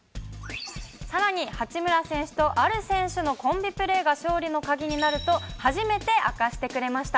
さらに、八村選手とある選手のコンビプレーが勝利の鍵になると、初めて明かしてくれました。